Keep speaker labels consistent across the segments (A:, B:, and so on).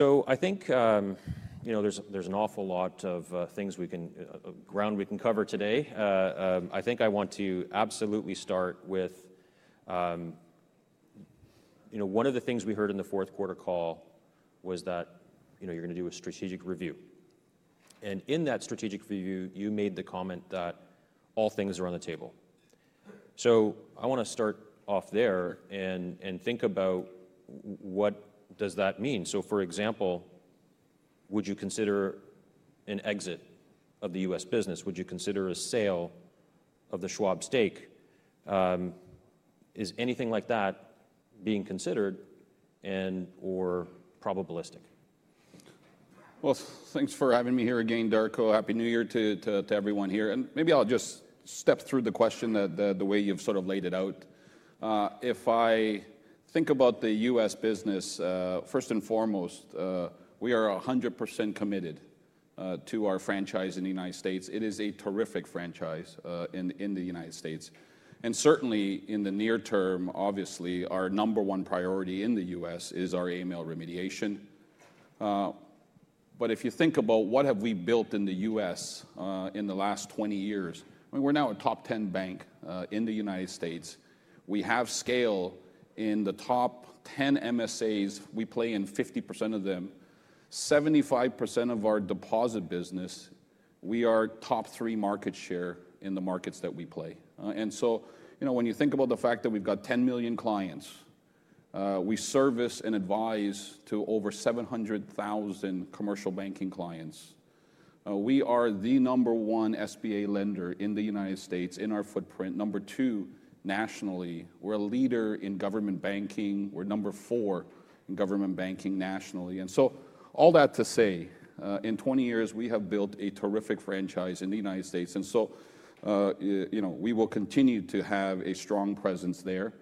A: So I think, you know, there's an awful lot of ground we can cover today. I think I want to absolutely start with, you know, one of the things we heard in the fourth quarter call was that, you know, you're gonna do a strategic review. And in that strategic review, you made the comment that all things are on the table. I wanna start off there and think about what does that mean. For example, would you consider an exit of the U.S. business? Would you consider a sale of the Schwab stake? Is anything like that being considered and/or probabilistic?
B: Thanks for having me here again, Darko. Happy New Year to everyone here. Maybe I'll just step through the question that the way you've sort of laid it out. If I think about the U.S. business, first and foremost, we are 100% committed to our franchise in the United States. It is a terrific franchise in the United States. Certainly, in the near term, obviously, our number one priority in the U.S. is our AML remediation. If you think about what have we built in the U.S. in the last 20 years, I mean, we're now a top 10 bank in the United States. We have scale in the top 10 MSAs. We play in 50% of them. 75% of our deposit business, we are top three market share in the markets that we play. And so, you know, when you think about the fact that we've got 10 million clients, we service and advise over 700,000 commercial banking clients. We are the number one SBA lender in the United States in our footprint. Number two nationally. We're a leader in government banking. We're number four in government banking nationally. And so all that to say, in 20 years, we have built a terrific franchise in the United States. And so, you know, we will continue to have a strong presence there.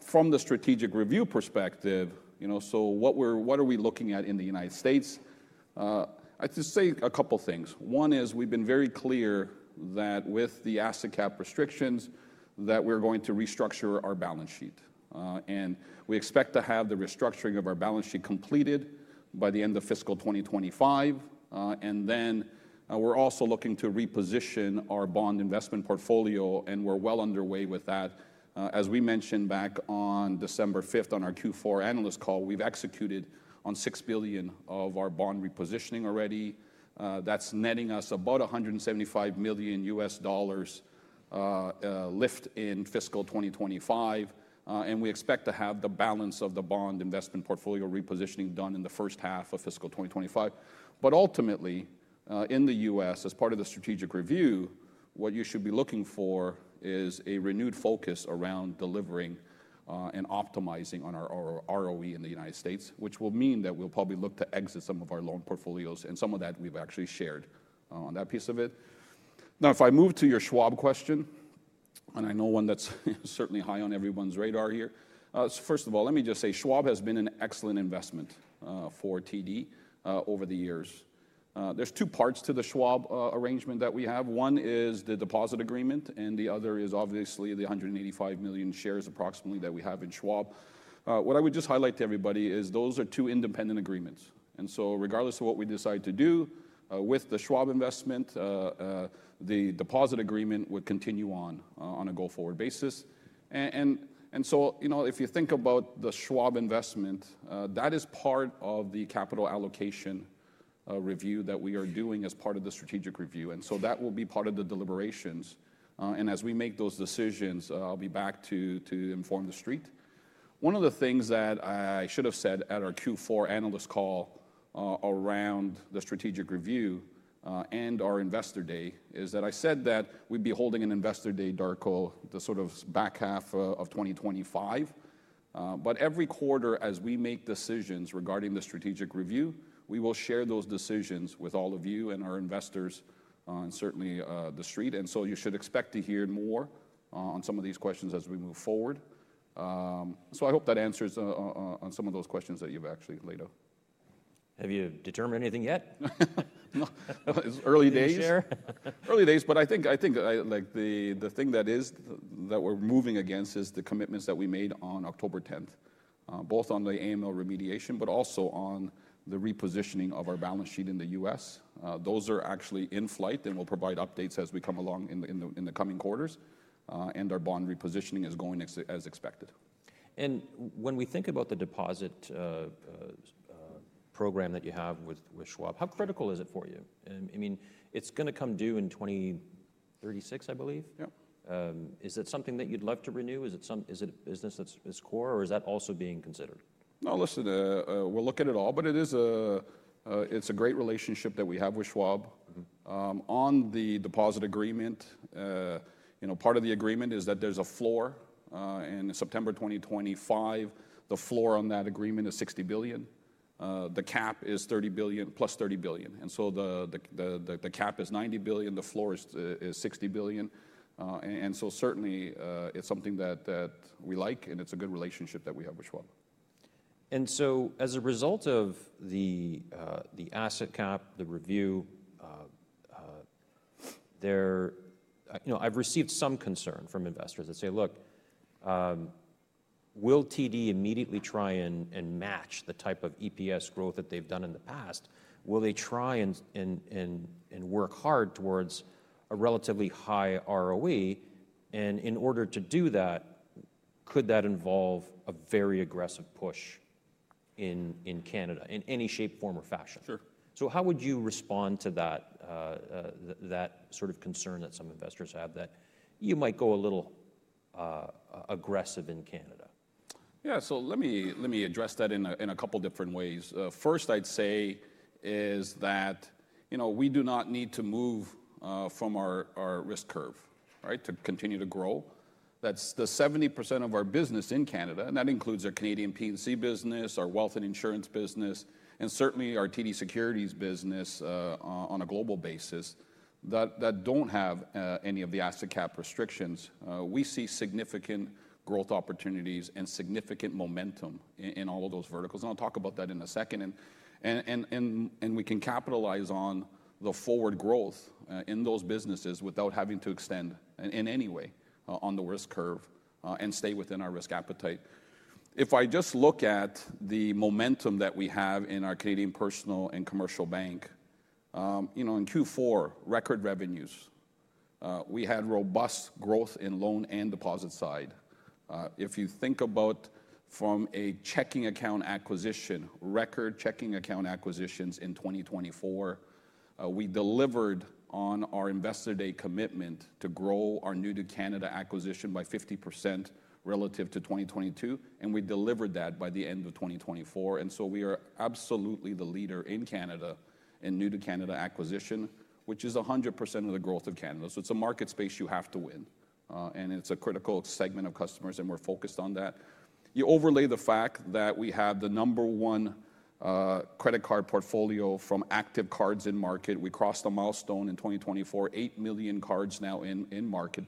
B: From the strategic review perspective, you know, so what are we looking at in the United States? I'd just say a couple things. One is we've been very clear that with the asset cap restrictions, that we're going to restructure our balance sheet. And we expect to have the restructuring of our balance sheet completed by the end of fiscal 2025. And then, we're also looking to reposition our bond investment portfolio, and we're well underway with that. As we mentioned back on December 5th on our Q4 analyst call, we've executed on $6 billion of our bond repositioning already. That's netting us about $175 million lift in fiscal 2025. We expect to have the balance of the bond investment portfolio repositioning done in the first half of fiscal 2025. Ultimately, in the U.S., as part of the strategic review, what you should be looking for is a renewed focus around delivering and optimizing on our ROE in the United States, which will mean that we'll probably look to exit some of our loan portfolios, and some of that we've actually shared on that piece of it. Now, if I move to your Schwab question, and I know one that's certainly high on everyone's radar here, first of all, let me just say Schwab has been an excellent investment for TD over the years. There's two parts to the Schwab arrangement that we have. One is the deposit agreement, and the other is obviously the 185 million shares approximately that we have in Schwab. What I would just highlight to everybody is those are two independent agreements. And so regardless of what we decide to do with the Schwab investment, the deposit agreement would continue on a go-forward basis. And so, you know, if you think about the Schwab investment, that is part of the capital allocation review that we are doing as part of the strategic review. And so that will be part of the deliberations. And as we make those decisions, I'll be back to inform the street. One of the things that I should have said at our Q4 analyst call, around the strategic review, and our Investor Day is that I said that we'd be holding an Investor Day, Darko, the sort of back half of 2025. But every quarter, as we make decisions regarding the strategic review, we will share those decisions with all of you and our investors, and certainly the street. So you should expect to hear more on some of these questions as we move forward. I hope that answers on some of those questions that you've actually laid out.
A: Have you determined anything yet?
B: No, it's early days.
A: You share?
B: Early days, but I think like the thing that we're moving against is the commitments that we made on October 10th, both on the AML remediation, but also on the repositioning of our balance sheet in the U.S. Those are actually in flight, and we'll provide updates as we come along in the coming quarters. Our bond repositioning is going as expected.
A: When we think about the deposit program that you have with Schwab, how critical is it for you? I mean, it's gonna come due in 2036, I believe.
B: Yeah.
A: Is it something that you'd love to renew? Is it a business that's at its core, or is that also being considered?
B: No, listen, we'll look at it all, but it is, it's a great relationship that we have with Schwab. On the deposit agreement, you know, part of the agreement is that there's a floor. In September 2025, the floor on that agreement is $60 billion. The cap is $30 billion plus $30 billion. And so the cap is $90 billion. The floor is $60 billion. And so certainly, it's something that we like, and it's a good relationship that we have with Schwab.
A: As a result of the asset cap, the review, there you know, I've received some concern from investors that say, "Look, will TD immediately try and match the type of EPS growth that they've done in the past? Will they try and work hard towards a relatively high ROE?" And in order to do that, could that involve a very aggressive push in Canada in any shape, form, or fashion?
B: Sure.
A: So how would you respond to that, that sort of concern that some investors have that you might go a little, aggressive in Canada?
B: Yeah, so let me address that in a couple different ways. First I'd say is that, you know, we do not need to move from our risk curve, right, to continue to grow. That's the 70% of our business in Canada, and that includes our Canadian P&C business, our wealth and insurance business, and certainly our TD Securities business, on a global basis that don't have any of the asset cap restrictions. We see significant growth opportunities and significant momentum in all of those verticals. And I'll talk about that in a second. And we can capitalize on the forward growth in those businesses without having to extend in any way on the risk curve, and stay within our risk appetite. If I just look at the momentum that we have in our Canadian personal and commercial bank, you know, in Q4 record revenues, we had robust growth in loan and deposit side. If you think about from a checking account acquisition, record checking account acquisitions in 2024, we delivered on our investor day commitment to grow our New to Canada acquisition by 50% relative to 2022, and we delivered that by the end of 2024. And so we are absolutely the leader in Canada in New to Canada acquisition, which is 100% of the growth of Canada. So it's a market space you have to win. And it's a critical segment of customers, and we're focused on that. You overlay the fact that we have the number one credit card portfolio from active cards in market. We crossed the milestone in 2024, 8 million cards now in market.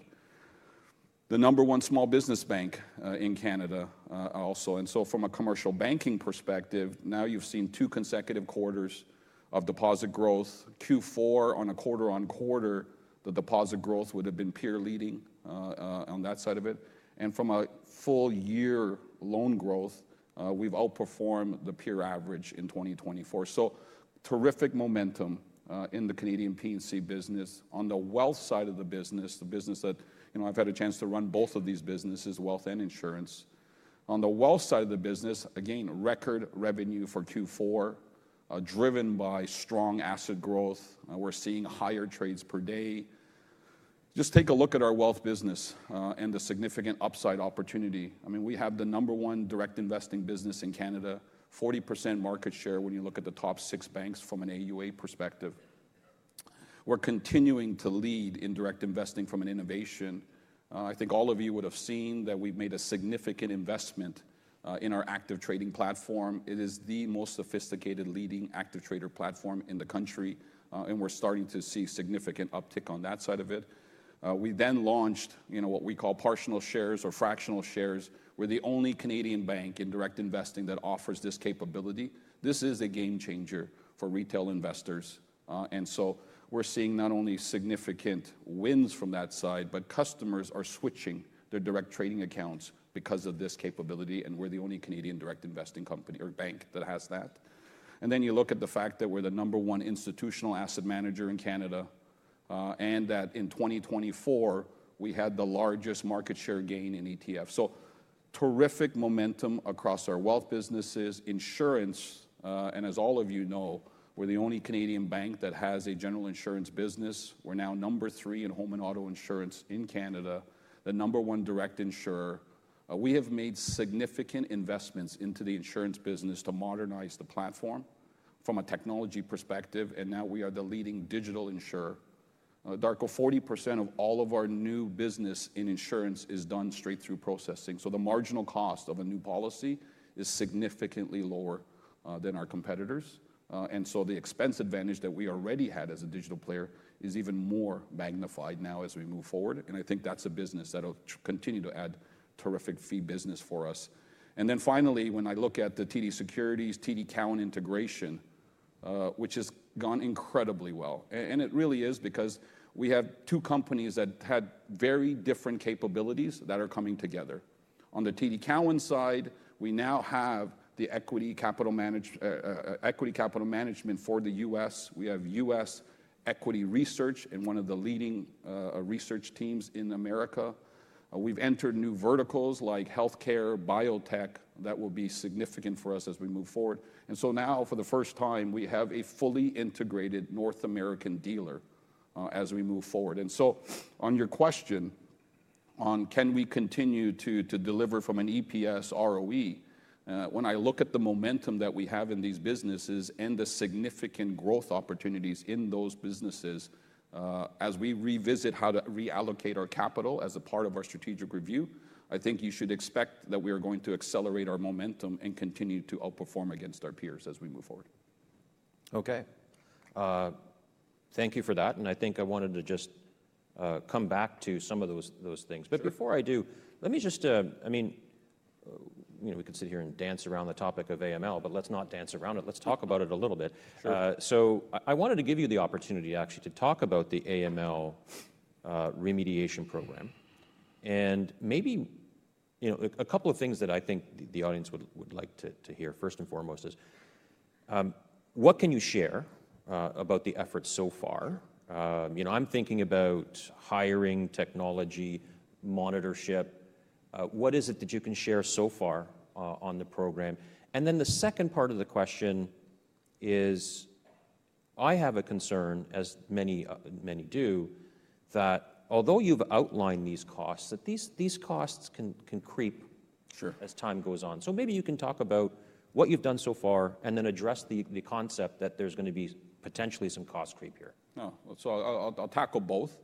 B: The number one small business bank in Canada also. And so from a commercial banking perspective, now you've seen two consecutive quarters of deposit growth. Q4 on a quarter-on-quarter, the deposit growth would have been peer leading, on that side of it. And from a full year loan growth, we've outperformed the peer average in 2024. So terrific momentum in the Canadian P&C business. On the wealth side of the business, the business that, you know, I've had a chance to run both of these businesses, wealth and insurance. On the wealth side of the business, again, record revenue for Q4, driven by strong asset growth. We're seeing higher trades per day. Just take a look at our wealth business, and the significant upside opportunity. I mean, we have the number one direct investing business in Canada, 40% market share when you look at the top six banks from an AUA perspective. We're continuing to lead in direct investing from an innovation. I think all of you would have seen that we've made a significant investment in our active trading platform. It is the most sophisticated leading active trader platform in the country. And we're starting to see significant uptick on that side of it. We then launched, you know, what we call Partial Shares or fractional shares. We're the only Canadian bank in direct investing that offers this capability. This is a game changer for retail investors. And so we're seeing not only significant wins from that side, but customers are switching their direct trading accounts because of this capability, and we're the only Canadian direct investing company or bank that has that. And then you look at the fact that we're the number one institutional asset manager in Canada, and that in 2024, we had the largest market share gain in ETF. So terrific momentum across our wealth businesses, insurance, and as all of you know, we're the only Canadian bank that has a general insurance business. We're now number three in home and auto insurance in Canada, the number one direct insurer. We have made significant investments into the insurance business to modernize the platform from a technology perspective, and now we are the leading digital insurer. Darko, 40% of all of our new business in insurance is done straight through processing. So the marginal cost of a new policy is significantly lower than our competitors, and so the expense advantage that we already had as a digital player is even more magnified now as we move forward. And I think that's a business that'll continue to add terrific fee business for us. And then finally, when I look at the TD Securities, TD Cowen integration, which has gone incredibly well. And it really is because we have two companies that had very different capabilities that are coming together. On the TD Cowen side, we now have the equity capital management for the U.S. We have U.S. equity research and one of the leading research teams in America. We've entered new verticals like healthcare, biotech that will be significant for us as we move forward. And so now for the first time, we have a fully integrated North American dealer, as we move forward. On your question on can we continue to deliver from an EPS, ROE, when I look at the momentum that we have in these businesses and the significant growth opportunities in those businesses, as we revisit how to reallocate our capital as a part of our Strategic Review, I think you should expect that we are going to accelerate our momentum and continue to outperform against our peers as we move forward.
A: Okay. Thank you for that. And I think I wanted to just come back to some of those, those things.
B: Sure.
A: But before I do, let me just, I mean, you know, we could sit here and dance around the topic of AML, but let's not dance around it. Let's talk about it a little bit.
B: Sure.
A: So I wanted to give you the opportunity actually to talk about the AML remediation program. And maybe, you know, a couple of things that I think the audience would like to hear first and foremost is what can you share about the efforts so far? You know, I'm thinking about hiring, technology, monitorship. What is it that you can share so far on the program? And then the second part of the question is I have a concern, as many do, that although you've outlined these costs, that these costs can creep.
B: Sure.
A: As time goes on. So maybe you can talk about what you've done so far and then address the concept that there's gonna be potentially some cost creep here.
B: No, so I'll tackle both.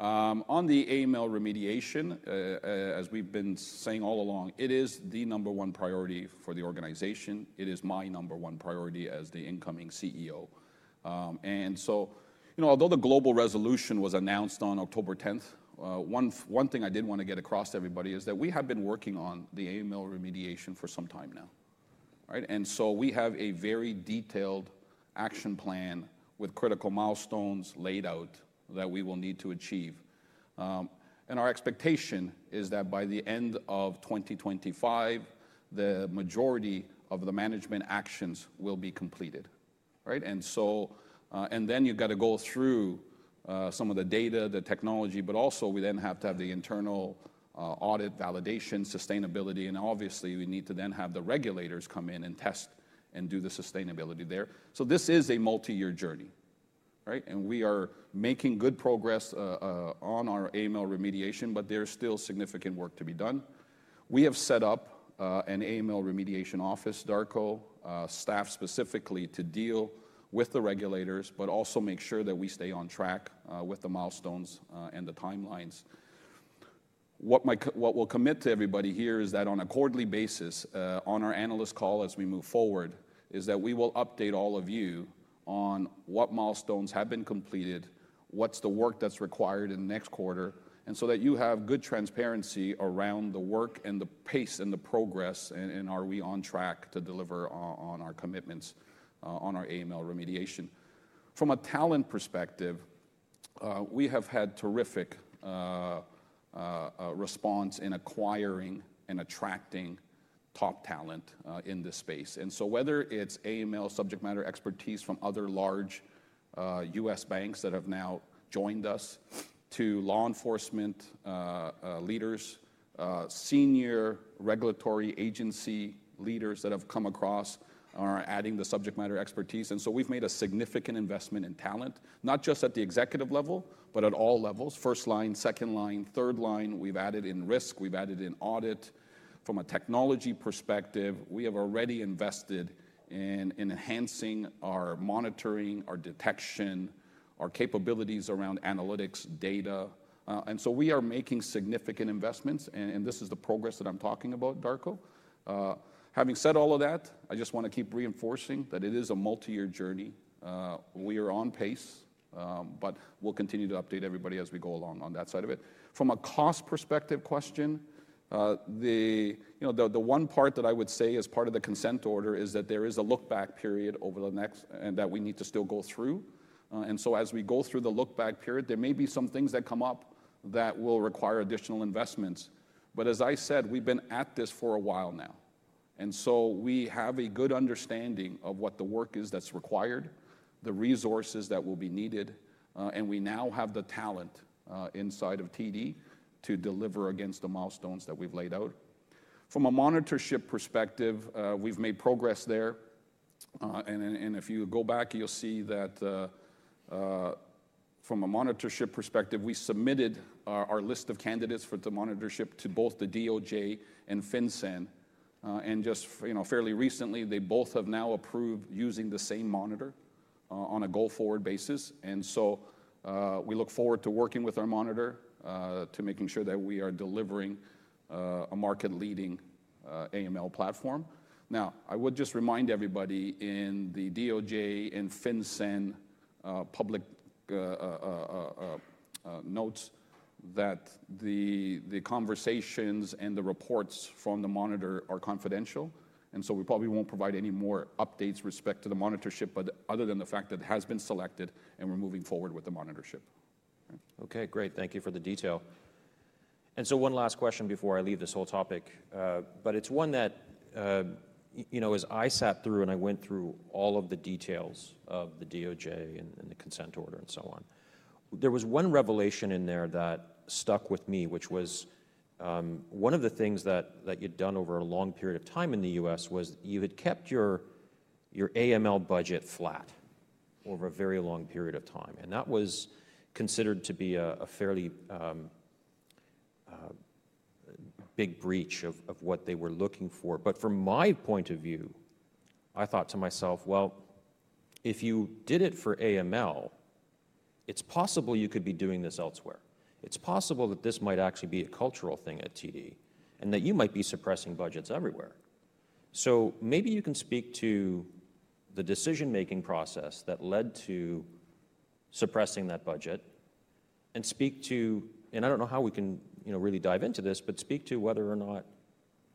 B: On the AML remediation, as we've been saying all along, it is the number one priority for the organization. It is my number one priority as the incoming CEO. And so, you know, although the global resolution was announced on October 10th, one thing I did want to get across to everybody is that we have been working on the AML remediation for some time now, right? And so we have a very detailed action plan with critical milestones laid out that we will need to achieve. And our expectation is that by the end of 2025, the majority of the management actions will be completed, right? And so, and then you gotta go through some of the data, the technology, but also we then have to have the internal audit validation, sustainability. And obviously, we need to then have the regulators come in and test and do the sustainability there. So this is a multi-year journey, right? And we are making good progress on our AML remediation, but there's still significant work to be done. We have set up an AML remediation office, Darko, staffed specifically to deal with the regulators, but also make sure that we stay on track with the milestones and the timelines. What we'll commit to everybody here is that on a quarterly basis, on our analyst call as we move forward, we will update all of you on what milestones have been completed, what's the work that's required in the next quarter, and so that you have good transparency around the work and the pace and the progress and are we on track to deliver on our commitments on our AML remediation. From a talent perspective, we have had terrific response in acquiring and attracting top talent in this space. And so whether it's AML subject matter expertise from other large U.S. banks that have now joined us to law enforcement leaders, senior regulatory agency leaders that have come across and are adding the subject matter expertise. And so we've made a significant investment in talent, not just at the executive level, but at all levels, first line, second line, third line. We've added in risk. We've added in audit. From a technology perspective, we have already invested in enhancing our monitoring, our detection, our capabilities around analytics, data. And so we are making significant investments. And this is the progress that I'm talking about, Darko. Having said all of that, I just wanna keep reinforcing that it is a multi-year journey. We are on pace, but we'll continue to update everybody as we go along on that side of it. From a cost perspective question, the, you know, the one part that I would say as part of the consent order is that there is a lookback period over the next and that we need to still go through. And so as we go through the lookback period, there may be some things that come up that will require additional investments. But as I said, we've been at this for a while now. And so we have a good understanding of what the work is that's required, the resources that will be needed. And we now have the talent inside of TD to deliver against the milestones that we've laid out. From a monitorship perspective, we've made progress there. And if you go back, you'll see that from a monitorship perspective, we submitted our list of candidates for the monitorship to both the DOJ and FinCEN. And just, you know, fairly recently, they both have now approved using the same monitor on a go-forward basis. And so, we look forward to working with our monitor, to making sure that we are delivering a market-leading AML platform. Now, I would just remind everybody, in the DOJ and FinCEN public notes, that the conversations and the reports from the monitor are confidential. And so we probably won't provide any more updates with respect to the monitorship, but other than the fact that it has been selected and we're moving forward with the monitorship.
A: Okay. Great. Thank you for the detail. And so one last question before I leave this whole topic, but it's one that, you know, as I sat through and I went through all of the details of the DOJ and the consent order and so on, there was one revelation in there that stuck with me, which was, one of the things that you'd done over a long period of time in the U.S. was you had kept your AML budget flat over a very long period of time. And that was considered to be a fairly big breach of what they were looking for. But from my point of view, I thought to myself, well, if you did it for AML, it's possible you could be doing this elsewhere. It's possible that this might actually be a cultural thing at TD and that you might be suppressing budgets everywhere. So maybe you can speak to the decision-making process that led to suppressing that budget and speak to, and I don't know how we can, you know, really dive into this, but speak to whether or not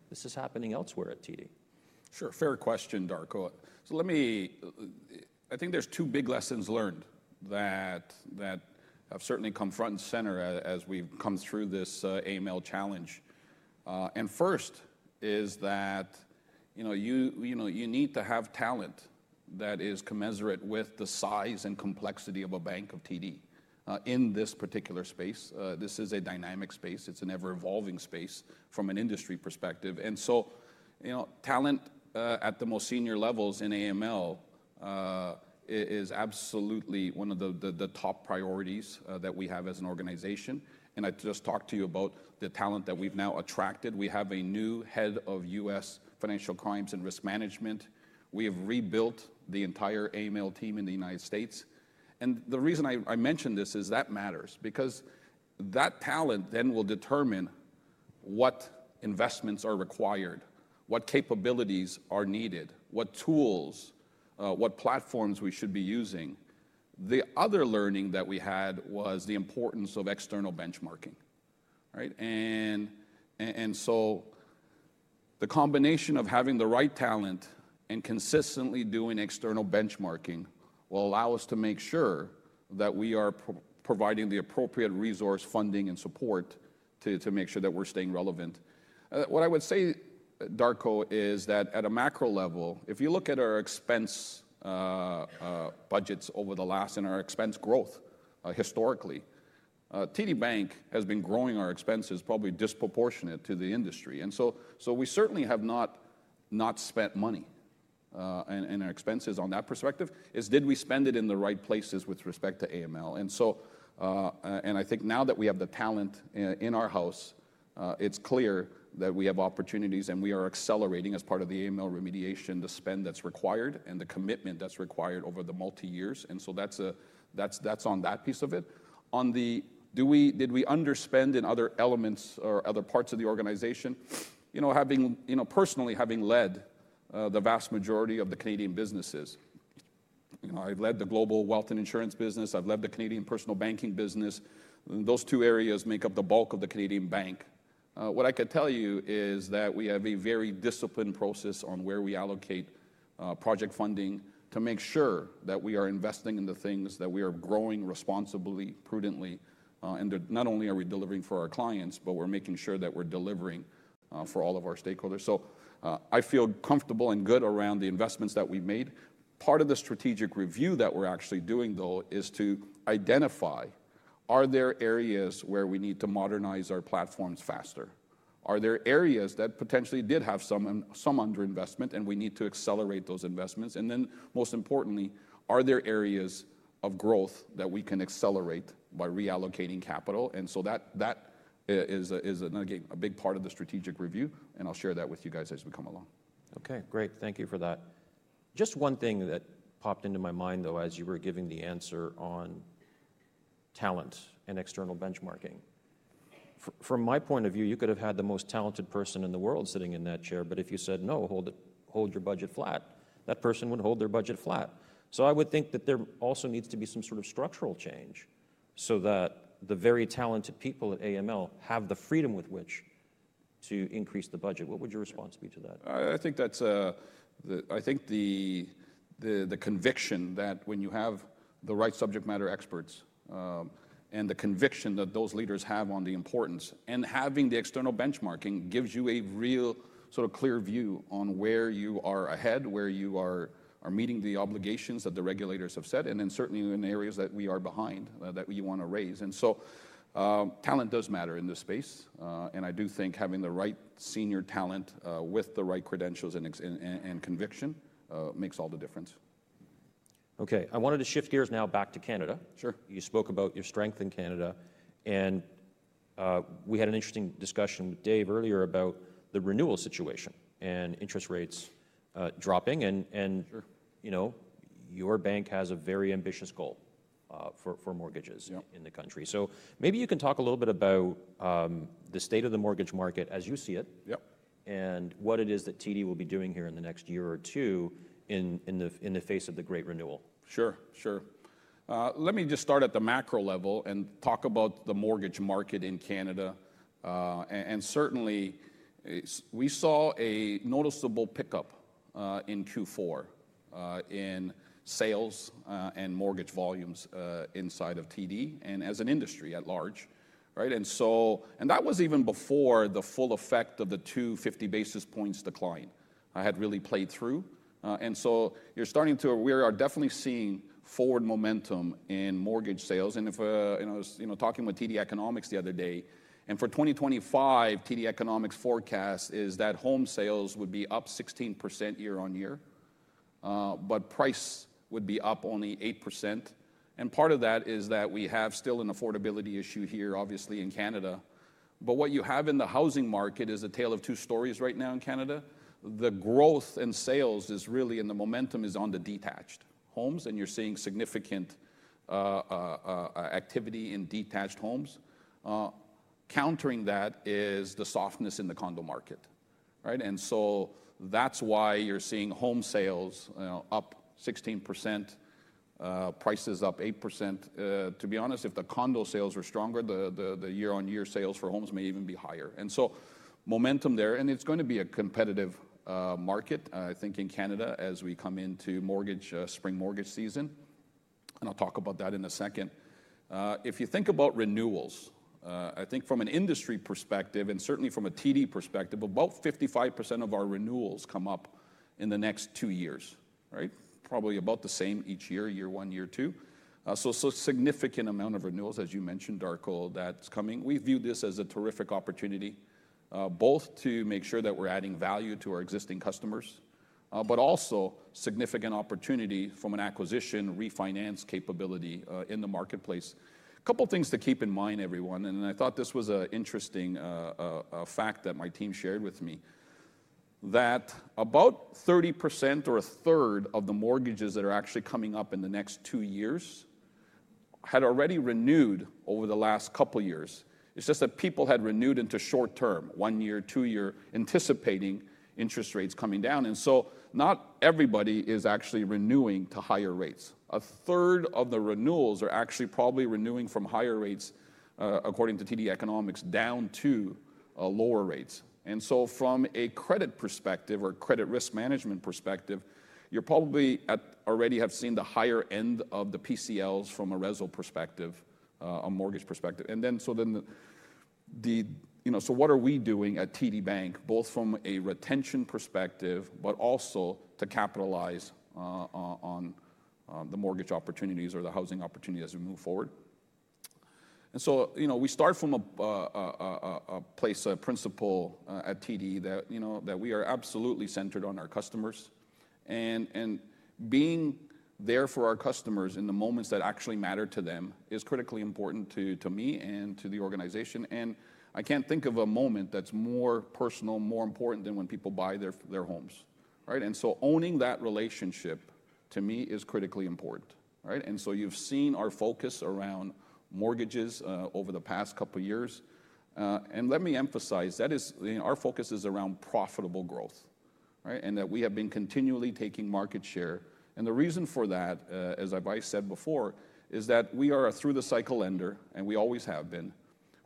A: this is happening elsewhere at TD.
B: Sure. Fair question, Darko. So let me. I think there's two big lessons learned that have certainly come front and center as we've come through this AML challenge, and first is that you know you need to have talent that is commensurate with the size and complexity of a bank of TD in this particular space. This is a dynamic space. It's an ever-evolving space from an industry perspective. And so you know talent at the most senior levels in AML is absolutely one of the top priorities that we have as an organization. And I just talked to you about the talent that we've now attracted. We have a new head of U.S. Financial Crimes and Risk Management. We have rebuilt the entire AML team in the United States. And the reason I mentioned this is that matters because that talent then will determine what investments are required, what capabilities are needed, what tools, what platforms we should be using. The other learning that we had was the importance of external benchmarking, right? And so the combination of having the right talent and consistently doing external benchmarking will allow us to make sure that we are providing the appropriate resource funding and support to make sure that we're staying relevant. What I would say, Darko, is that at a macro level, if you look at our expense budgets over the last and our expense growth, historically, TD Bank has been growing our expenses probably disproportionate to the industry. And so we certainly have not spent money in our expenses. On that perspective is, did we spend it in the right places with respect to AML? And so I think now that we have the talent in our house, it's clear that we have opportunities and we are accelerating as part of the AML remediation the spend that's required and the commitment that's required over the multi-years. And so that's on that piece of it. On the, did we underspend in other elements or other parts of the organization? You know, personally having led the vast majority of the Canadian businesses, you know, I've led the global wealth and insurance business. I've led the Canadian personal banking business. Those two areas make up the bulk of the Canadian bank. What I could tell you is that we have a very disciplined process on where we allocate project funding to make sure that we are investing in the things that we are growing responsibly, prudently, and not only are we delivering for our clients, but we're making sure that we're delivering for all of our stakeholders, so I feel comfortable and good around the investments that we've made. Part of the strategic review that we're actually doing, though, is to identify, are there areas where we need to modernize our platforms faster? Are there areas that potentially did have some underinvestment and we need to accelerate those investments? And then most importantly, are there areas of growth that we can accelerate by reallocating capital? And so that is an, again, a big part of the strategic review. I'll share that with you guys as we come along.
A: Okay. Great. Thank you for that. Just one thing that popped into my mind, though, as you were giving the answer on talent and external benchmarking. From my point of view, you could have had the most talented person in the world sitting in that chair, but if you said, no, hold it, hold your budget flat, that person would hold their budget flat. So I would think that there also needs to be some sort of structural change so that the very talented people at AML have the freedom with which to increase the budget. What would your response be to that?
B: I think that's the conviction that when you have the right subject matter experts, and the conviction that those leaders have on the importance of having the external benchmarking gives you a real sort of clear view on where you are ahead, where you are meeting the obligations that the regulators have set, and then certainly in areas that we are behind, that we wanna raise. And so, talent does matter in this space. I do think having the right senior talent, with the right credentials and experience and conviction, makes all the difference.
A: Okay. I wanted to shift gears now back to Canada.
B: Sure.
A: You spoke about your strength in Canada. We had an interesting discussion with Dave earlier about the renewal situation and interest rates dropping.
B: Sure.
A: You know, your bank has a very ambitious goal for mortgages.
B: Yep.
A: In the country. So maybe you can talk a little bit about the state of the mortgage market as you see it.
B: Yep.
A: What it is that TD will be doing here in the next year or two in the face of the great renewal.
B: Sure. Sure. Let me just start at the macro level and talk about the mortgage market in Canada. And certainly, we saw a noticeable pickup in Q4 in sales and mortgage volumes inside of TD and as an industry at large, right? And that was even before the full effect of the two 50 basis points decline I had really played through. And so you're starting to, we are definitely seeing forward momentum in mortgage sales. And if you know, I was you know talking with TD Economics the other day, and for 2025, TD Economics forecast is that home sales would be up 16% year on year, but price would be up only 8%. And part of that is that we have still an affordability issue here, obviously in Canada. But what you have in the housing market is a tale of two stories right now in Canada. The growth in sales is really, and the momentum is on the detached homes, and you're seeing significant activity in detached homes. Countering that is the softness in the condo market, right? And so that's why you're seeing home sales, you know, up 16%, prices up 8%. To be honest, if the condo sales were stronger, the year-on-year sales for homes may even be higher. And so momentum there, and it's gonna be a competitive market, I think, in Canada as we come into mortgage spring mortgage season. And I'll talk about that in a second. If you think about renewals, I think from an industry perspective and certainly from a TD perspective, about 55% of our renewals come up in the next two years, right? Probably about the same each year, year one, year two. So significant amount of renewals, as you mentioned, Darko, that's coming. We view this as a terrific opportunity, both to make sure that we're adding value to our existing customers, but also significant opportunity from an acquisition refinance capability, in the marketplace. Couple things to keep in mind, everyone, and I thought this was an interesting fact that my team shared with me that about 30% or a third of the mortgages that are actually coming up in the next two years had already renewed over the last couple of years. It's just that people had renewed into short term, one year, two year, anticipating interest rates coming down, and so not everybody is actually renewing to higher rates. A third of the renewals are actually probably renewing from higher rates, according to TD Economics, down to lower rates. And so from a credit perspective or credit risk management perspective, you're probably already have seen the higher end of the PCLs from a RESL perspective, a mortgage perspective. And then, you know, what are we doing at TD Bank, both from a retention perspective, but also to capitalize on the mortgage opportunities or the housing opportunity as we move forward? And so, you know, we start from a place, a principle, at TD that, you know, that we are absolutely centered on our customers. And being there for our customers in the moments that actually matter to them is critically important to me and to the organization. And I can't think of a moment that's more personal, more important than when people buy their homes, right? And so owning that relationship to me is critically important, right? And so you've seen our focus around mortgages over the past couple of years. And let me emphasize that is, you know, our focus is around profitable growth, right? And that we have been continually taking market share. And the reason for that, as I've already said before, is that we are a through the cycle lender, and we always have been.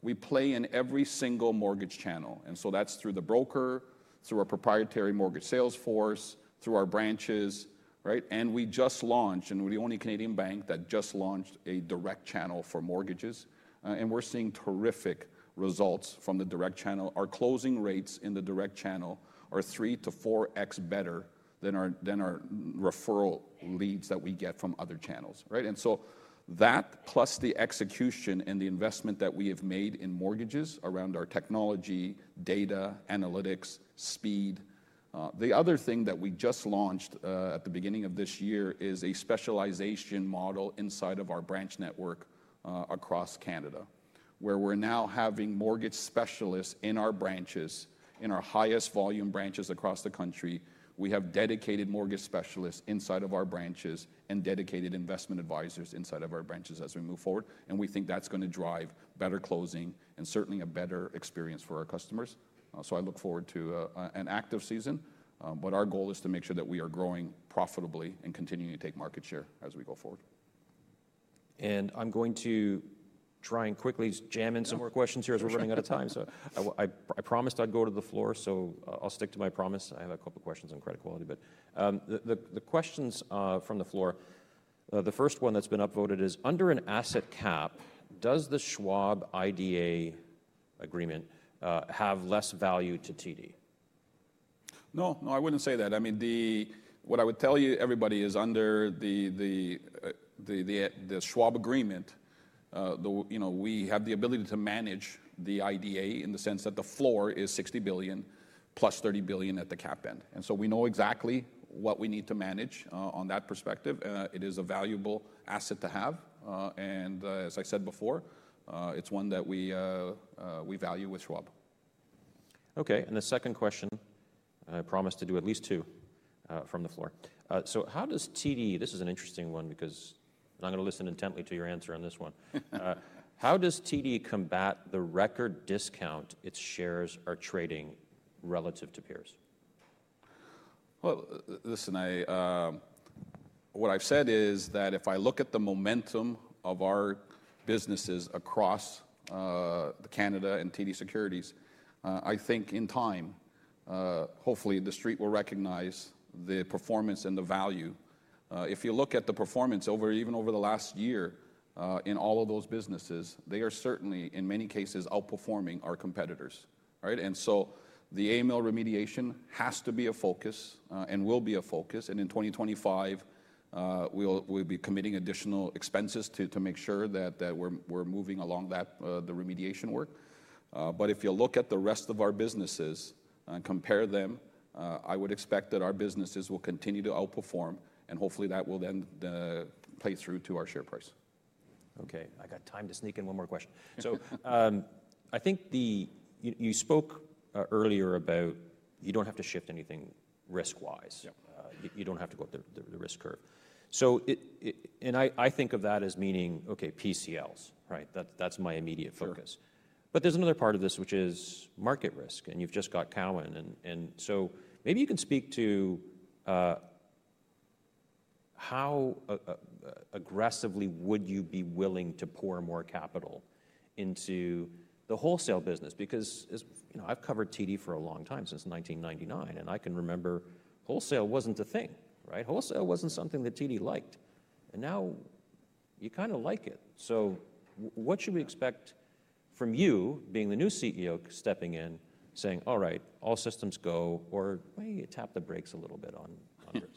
B: We play in every single mortgage channel. And so that's through the broker, through our proprietary mortgage sales force, through our branches, right? And we just launched, and we're the only Canadian bank that just launched a direct channel for mortgages. And we're seeing terrific results from the direct channel. Our closing rates in the direct channel are three to four X better than our referral leads that we get from other channels, right? And so that plus the execution and the investment that we have made in mortgages around our technology, data, analytics, speed. The other thing that we just launched, at the beginning of this year, is a specialization model inside of our branch network, across Canada, where we're now having mortgage specialists in our branches, in our highest volume branches across the country. We have dedicated mortgage specialists inside of our branches and dedicated investment advisors inside of our branches as we move forward. And we think that's gonna drive better closing and certainly a better experience for our customers. So I look forward to an active season. But our goal is to make sure that we are growing profitably and continuing to take market share as we go forward.
A: I'm going to try and quickly jam in some more questions here as we're running out of time. I promised I'd go to the floor, so I'll stick to my promise. I have a couple questions on credit quality, but the questions from the floor, the first one that's been upvoted is under an asset cap, does the Schwab IDA agreement have less value to TD?
B: No, no, I wouldn't say that. I mean, what I would tell you everybody is under the Schwab agreement. You know, we have the ability to manage the IDA in the sense that the floor is $60 billion plus $30 billion at the cap end. And so we know exactly what we need to manage, on that perspective. It is a valuable asset to have, and as I said before, it's one that we value with Schwab.
A: Okay. And the second question, and I promised to do at least two, from the floor. So how does TD, this is an interesting one because I'm gonna listen intently to your answer on this one. How does TD combat the record discount its shares are trading relative to peers?
B: What I've said is that if I look at the momentum of our businesses across Canada and TD Securities, I think in time, hopefully the street will recognize the performance and the value. If you look at the performance over even the last year in all of those businesses, they are certainly in many cases outperforming our competitors, right? The AML remediation has to be a focus, and will be a focus. In 2025, we'll be committing additional expenses to make sure that we're moving along the remediation work. If you look at the rest of our businesses and compare them, I would expect that our businesses will continue to outperform, and hopefully that will then play through to our share price.
A: Okay. I got time to sneak in one more question. So, I think you spoke earlier about you don't have to shift anything risk-wise.
B: Yep.
A: You don't have to go up the risk curve. So it and I think of that as meaning, okay, PCLs, right? That's my immediate focus.
B: Sure.
A: But there's another part of this, which is market risk, and you've just got Cowen. And so maybe you can speak to how aggressively would you be willing to pour more capital into the wholesale business? Because, you know, I've covered TD for a long time, since 1999, and I can remember wholesale wasn't a thing, right? Wholesale wasn't something that TD liked. And now you kind of like it. So what should we expect from you being the new CEO stepping in, saying, all right, all systems go, or maybe you tap the brakes a little bit on risk?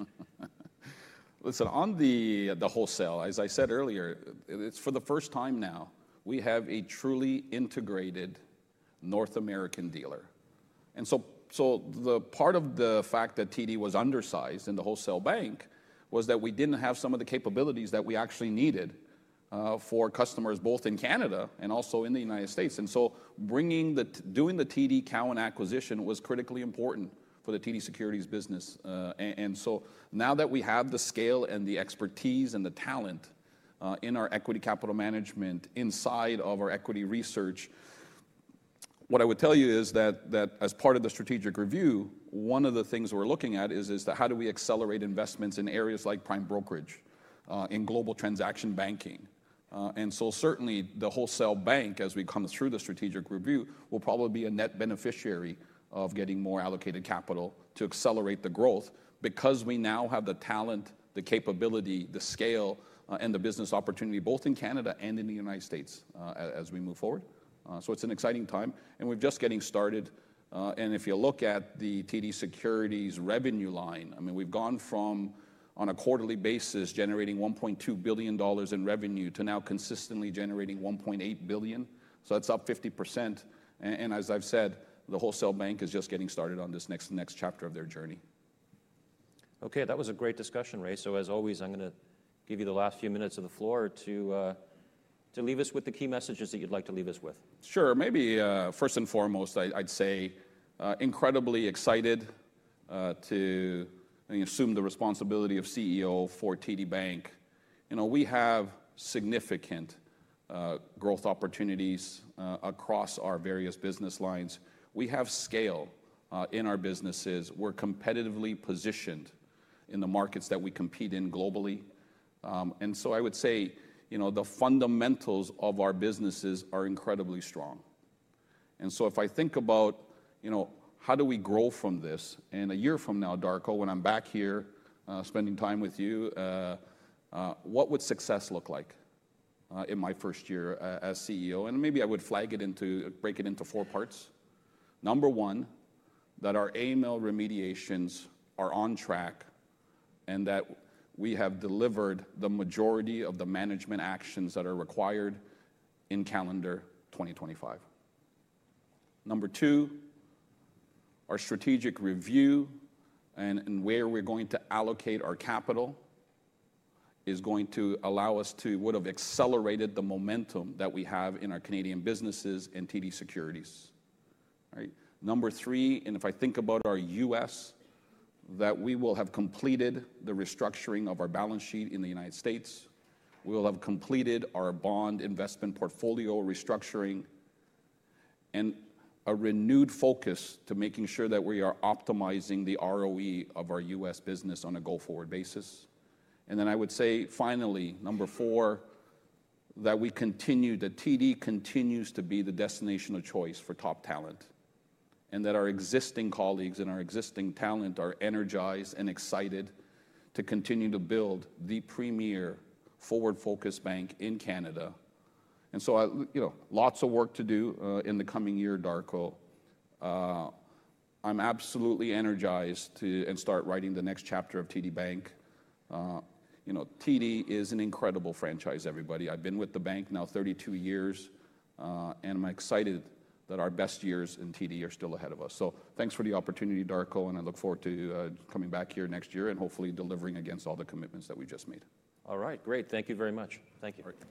B: Listen, on the wholesale, as I said earlier, it's for the first time now we have a truly integrated North American dealer. And so, the part of the fact that TD was undersized in the wholesale bank was that we didn't have some of the capabilities that we actually needed, for customers both in Canada and also in the United States. And so bringing the, doing the TD Cowen acquisition was critically important for the TD Securities business. And so now that we have the scale and the expertise and the talent, in our equity capital markets inside of our equity research, what I would tell you is that as part of the strategic review, one of the things we're looking at is that how do we accelerate investments in areas like prime brokerage, in global transaction banking? And so certainly the wholesale bank, as we come through the strategic review, will probably be a net beneficiary of getting more allocated capital to accelerate the growth because we now have the talent, the capability, the scale, and the business opportunity both in Canada and in the United States, as, as we move forward. So it's an exciting time, and we're just getting started. And if you look at the TD Securities revenue line, I mean, we've gone from on a quarterly basis generating 1.2 billion dollars in revenue to now consistently generating 1.8 billion. So that's up 50%. And, and as I've said, the wholesale bank is just getting started on this next, next chapter of their journey.
A: Okay. That was a great discussion, Ray. So as always, I'm gonna give you the last few minutes of the floor to leave us with the key messages that you'd like to leave us with.
B: Sure. Maybe, first and foremost, I, I'd say, incredibly excited, to, I mean, assume the responsibility of CEO for TD Bank. You know, we have significant, growth opportunities, across our various business lines. We have scale, in our businesses. We're competitively positioned in the markets that we compete in globally. And so I would say, you know, the fundamentals of our businesses are incredibly strong. And so if I think about, you know, how do we grow from this in a year from now, Darko, when I'm back here, spending time with you, what would success look like, in my first year, as CEO? And maybe I would flag it into, break it into four parts. Number one, that our AML remediations are on track and that we have delivered the majority of the management actions that are required in calendar 2025. Number two, our strategic review and where we're going to allocate our capital is going to allow us to, would've accelerated the momentum that we have in our Canadian businesses and TD Securities, right? Number three, and if I think about our U.S., that we will have completed the restructuring of our balance sheet in the United States. We'll have completed our bond investment portfolio restructuring and a renewed focus to making sure that we are optimizing the ROE of our U.S. business on a go-forward basis. And then I would say finally, number four, that TD continues to be the destination of choice for top talent and that our existing colleagues and our existing talent are energized and excited to continue to build the premier forward-focused bank in Canada. And so I, you know, lots of work to do in the coming year, Darko. I'm absolutely energized to start writing the next chapter of TD Bank. You know, TD is an incredible franchise, everybody. I've been with the bank now 32 years, and I'm excited that our best years in TD are still ahead of us. So thanks for the opportunity, Darko, and I look forward to coming back here next year and hopefully delivering against all the commitments that we just made.
A: All right. Great. Thank you very much. Thank you.
B: Great.